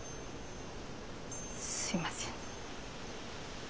すいません。